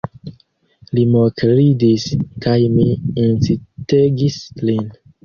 Li mokridis, kaj mi incitegis lin.